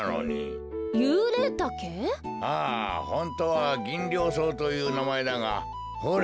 ああホントはギンリョウソウというなまえだがほれ